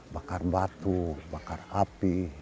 bakar batu bakar api